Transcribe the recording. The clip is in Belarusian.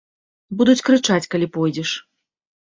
Буду крычаць, калі пойдзеш.